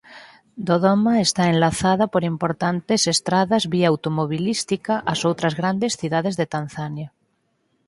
Dodoma está enlazada por importantes estradas vía automobilística ás outras grandes cidades de Tanzania.